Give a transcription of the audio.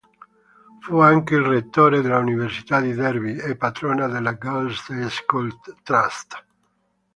Fu anche il Rettore dell'Università di Derby e Patrona della Girls' Day School Trust.